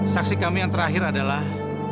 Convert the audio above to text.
saksi kami yang terakhir adalah